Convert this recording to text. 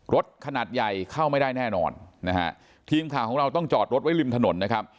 รถขนาดใหญ่เข้าไม่ได้แน่นอนนะฮะทีมข่าวของเราต้องจอดรถไว้ริมถนนนะครับ